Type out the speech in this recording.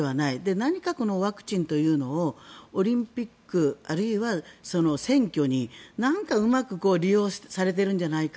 何かワクチンというのをオリンピック、あるいは選挙に何かうまく利用されてるんじゃないか。